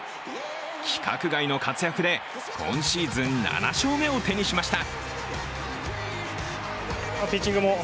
規格外の活躍で今シーズン７勝目を手にしました。